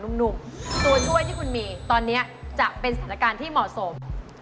หนุ่มตัวช่วยที่คุณมีตอนนี้จะเป็นสถานการณ์ที่เหมาะสม